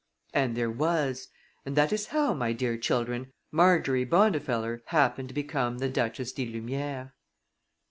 And there was, and that is how, my dear children, Marjorie Bondifeller happened to become the Duchess di Lumière.